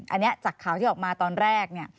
อันนี้จากข่าวที่ออกมาตอนแรกเนี่ย